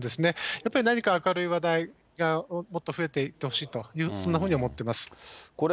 やっぱり何か、明るい話題がもっと増えていってほしいと、そんなふうに思ってまこれ、